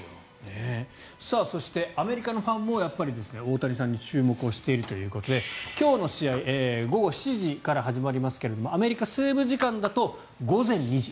そしてアメリカのファンも大谷さんに注目をしているということで今日の試合午後７時から始まりますがアメリカは西部時間だと午前２時。